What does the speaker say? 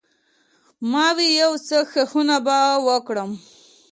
ما وې يو څه کښښونه به وکړم.